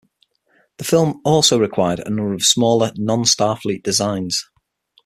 The film also required a number of smaller non-Starfleet designs.